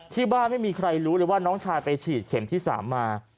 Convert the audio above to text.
ไม่มีใครรู้เลยว่าน้องชายไปฉีดเข็มที่๓มา